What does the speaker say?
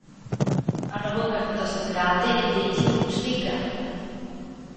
Hanno bocca piuttosto grande e denti robusti e grandi.